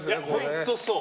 本当そう。